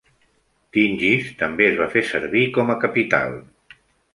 Tingis també es va fer servir com a capital.